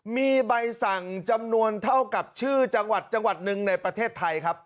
มีใบสั่งจำนวนเท่ากับชื่อจังหวัดจังหวัดหนึ่งในประเทศไทยครับ